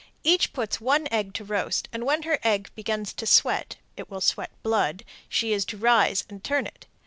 Each puts one egg to roast, and when her egg begins to sweat (it will sweat blood), she is to rise and turn it.